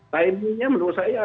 timingnya menurut saya